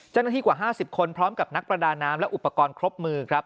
กว่า๕๐คนพร้อมกับนักประดาน้ำและอุปกรณ์ครบมือครับ